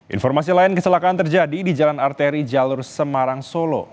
informasi lain kecelakaan terjadi di jalan arteri jalur semarang solo